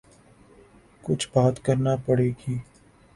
کچھ بات کرنا پڑے گی۔